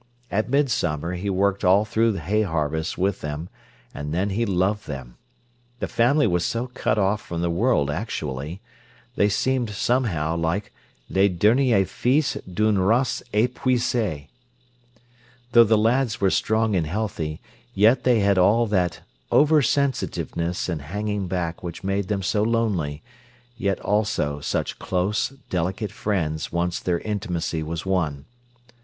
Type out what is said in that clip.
At midsummer he worked all through hay harvest with them, and then he loved them. The family was so cut off from the world actually. They seemed, somehow, like "les derniers fils d'une race épuisée". Though the lads were strong and healthy, yet they had all that over sensitiveness and hanging back which made them so lonely, yet also such close, delicate friends once their intimacy was won.